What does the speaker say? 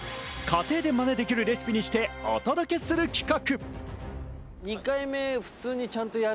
家庭でマネできるレシピにしてお届けする企画。